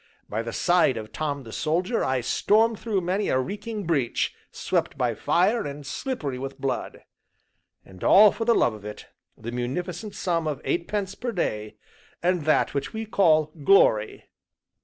By the side of Tom the Soldier I stormed through many a reeking breach, swept by fire, and slippery with blood; and all for love of it, the munificent sum of eightpence per day, and that which we call "Glory."